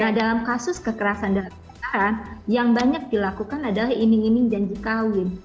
nah dalam kasus kekerasan dalam keadaan yang banyak dilakukan adalah iming iming janji kawin